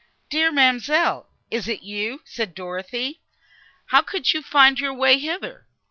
"Dear ma'amselle! is it you?" said Dorothée, "How could you find your way hither?"